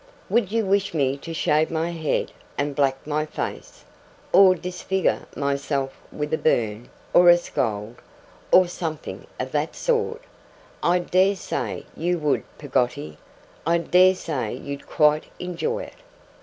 Would you wish me to shave my head and black my face, or disfigure myself with a burn, or a scald, or something of that sort? I dare say you would, Peggotty. I dare say you'd quite enjoy it.